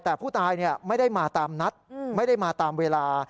แต่ผู้ตายไม่ได้มาตามนัดไม่ได้มาตามเวลา